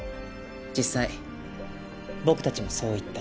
実際僕たちもそう言った。